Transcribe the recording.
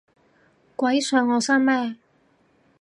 鬼上身咩我